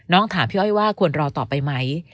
ถามพี่อ้อยว่าควรรอต่อไปไหม